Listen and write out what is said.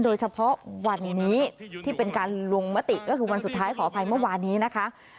โดยเฉพาะวันนี้ที่เป็นการลงมติก็คือวันสุดท้ายขออภัยเมื่อวานนี้นะคะ